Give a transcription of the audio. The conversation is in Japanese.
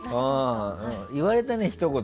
言われたね、ひと言。